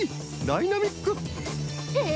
ダイナミック！へえ！